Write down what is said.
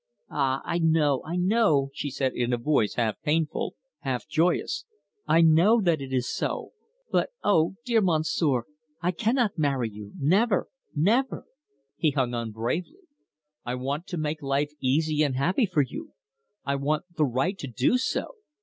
"Ah, I know, I know," she said, in a voice half painful, half joyous. "I know that it is so. But, oh, dear Monsieur, I cannot marry you never never." He hung on bravely. "I want to make life easy and happy for you. I want the right to do so.